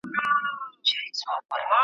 ستا په غاړه کي مي لاس وو اچولی `